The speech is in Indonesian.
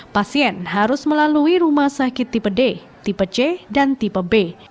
pasien harus melalui rumah sakit tipe d tipe c dan tipe b